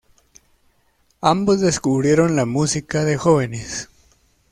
Ambos descubrieron la música de jóvenes.